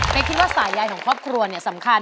ในคิดว่าสายใยของครอบครัวสำคัญ